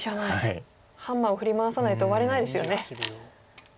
ハンマーを振り回さないと終われないですよね。